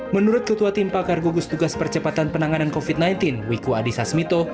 menurut ketua timpakar gugus tugas percepatan penanganan covid sembilan belas wiku adi sasmito